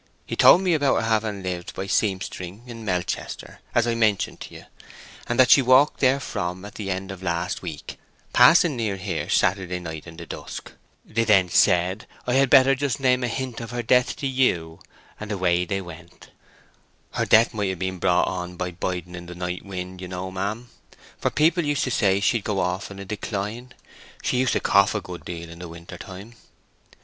He told me about her having lived by seampstering in Melchester, as I mentioned to you, and that she walked therefrom at the end of last week, passing near here Saturday night in the dusk. They then said I had better just name a hint of her death to you, and away they went. Her death might have been brought on by biding in the night wind, you know, ma'am; for people used to say she'd go off in a decline: she used to cough a good deal in winter time.